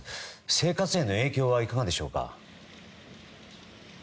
生活への影響はいかがでしょうか。